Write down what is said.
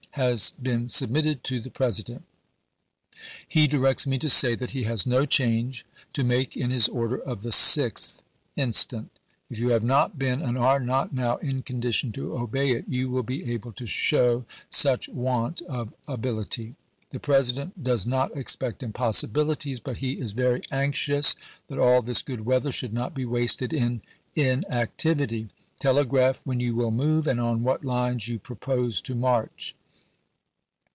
has been submitted to the President. He directs me to say that he has no change to make in his order of the 6th instant. If you have not been and are not now in condition to obey it you will be able to show such want of ability. The President does not expect impossibilities, but he is very anxious that all this good weather should not be wasted in inactivity. Telegraph when you will move and on what lines you Ibid. propose to march.